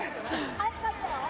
・速かったよ